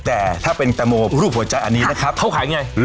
แต่ถ้าเป็นแตงโมรูปหัวใจอันนี้นะครับเขาขายไง